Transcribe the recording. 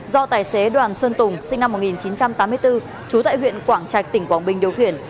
do tài xế đoàn xuân tùng sinh năm một nghìn chín trăm tám mươi bốn trú tại huyện quảng trạch tỉnh quảng bình điều khiển